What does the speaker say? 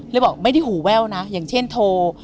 บอกไม่ได้หูแว่วนะอย่างเช่นโทร